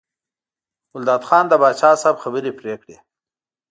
ګلداد خان د پاچا صاحب خبرې پرې کړې.